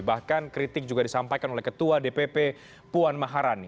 bahkan kritik juga disampaikan oleh ketua dpp puan maharani